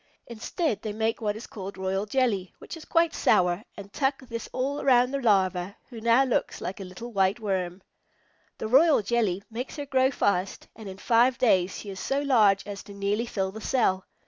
Instead, they make what is called royal jelly, which is quite sour, and tuck this all around the Larva, who now looks like a little white worm. The royal jelly makes her grow fast, and in five days she is so large as to nearly fill the cell.